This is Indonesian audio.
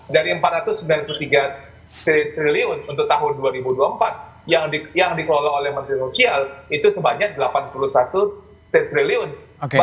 dari rp empat ratus sembilan puluh tiga triliun untuk tahun dua ribu dua puluh empat yang dikelola oleh menteri sosial itu sebanyak delapan puluh satu triliun